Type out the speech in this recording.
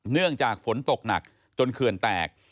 เนื่องจากฝนตกหนักจนเขื่อนแตก